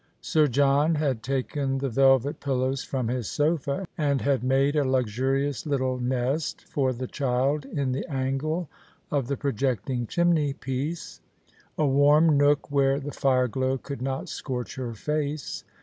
Sir John had taken the velvet pillows from his sofa, and had made a luxurious little nest for the child in the angle of the projecting chimney piece — a warm nook where the fire glow could not scorch 196 The Christmas Hirelings. her face.